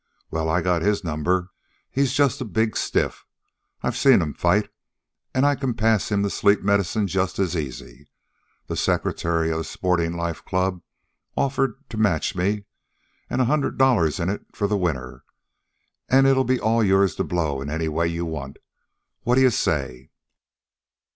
Well, I got his number. He's just a big stiff. I've seen 'm fight, an' I can pass him the sleep medicine just as easy. The Secretary of the Sportin' Life Club offered to match me. An' a hundred iron dollars in it for the winner. And it'll all be yours to blow in any way you want. What d'ye say?"